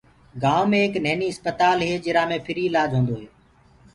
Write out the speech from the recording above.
گائونٚ مي ايڪ نهيني سي اسپتال هي جرا مي ڦري اِلآج هوندو هي۔